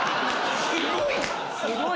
「すごい」？